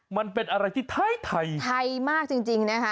มันเป็นอะไรที่ไทยไทยมากจริงนะคะ